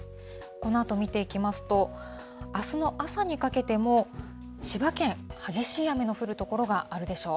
このあと見ていきますと、あすの朝にかけても、千葉県、激しい雨の降る所があるでしょう。